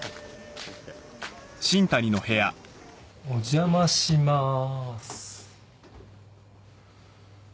お邪魔します。